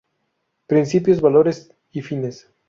Principios, valores y fines".